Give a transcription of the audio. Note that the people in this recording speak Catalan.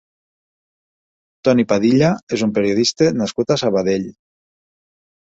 Toni Padilla és un periodista nascut a Sabadell.